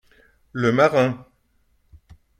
Le marin.